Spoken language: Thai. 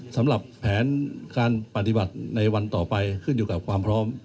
สำหรับแผนการปฏิบัติในวันต่อไปขึ้นอยู่กับความพร้อม